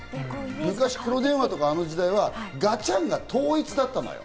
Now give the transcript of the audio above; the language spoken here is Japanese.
昔、黒電話とかの時代はガチャンが統一だったのよ。